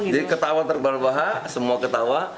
jadi ketawa terbal balah semua ketawa